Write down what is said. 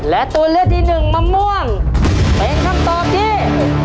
และตัวเลือกที่หนึ่งมะม่วงเป็นคำตอบที่